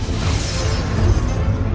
aku ingin menerima keadaanmu